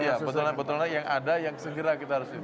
iya bottleneck botellneck yang ada yang segera kita harusin